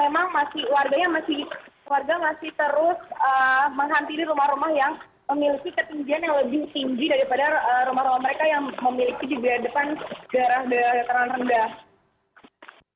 memang warga masih terus menghampiri rumah rumah yang memiliki ketinggian yang lebih tinggi daripada rumah rumah mereka yang memiliki juga depan daerah dataran rendah